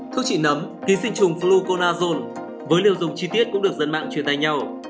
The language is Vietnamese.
thuốc trị nấm ký sinh trùng fluconazole với liều dùng chi tiết cũng được dân mạng truyền tay nhau